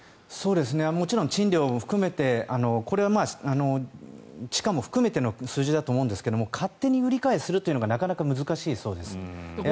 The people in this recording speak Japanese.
もちろん賃料も含めてこれは地下も含めての数字だと思うんですが勝手に売り買いするのがなかなか難しいそうです。